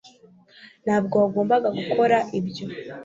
ntabwo wagombaga gukora ibyo